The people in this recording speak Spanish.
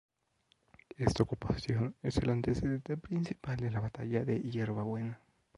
Esta ocupación es el antecedente principal de la Batalla de Yerba Buena.